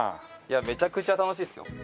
めちゃくちゃ楽しいっすよ。